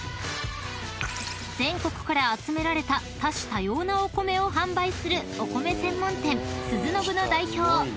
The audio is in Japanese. ［全国から集められた多種多様なお米を販売するお米専門店「スズノブ」の代表